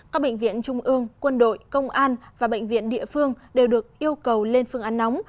các bệnh viện trung ương quân đội công an và bệnh viện địa phương đều được yêu cầu lên phương án nóng